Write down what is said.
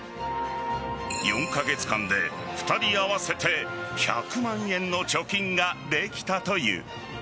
４カ月間で２人合わせて１００万円の貯金ができたという。